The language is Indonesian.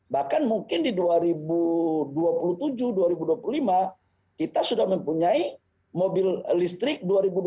bahkan mungkin di dua ribu dua puluh tujuh dua ribu dua puluh lima kita sudah mempunyai mobil listrik dua ribu dua puluh